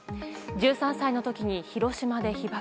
１３歳の時に広島で被爆。